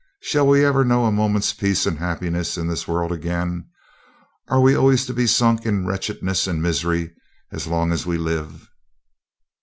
shall we ever know a moment's peace and happiness in this world again? Are we always to be sunk in wretchedness and misery as long as we live?'